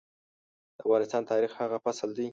د افغانستان د تاريخ هغه فصل دی.